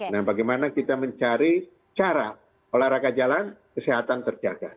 nah bagaimana kita mencari cara olahraga jalan kesehatan terjaga